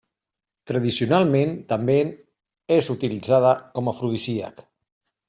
Tradicionalment també és utilitzada com afrodisíac.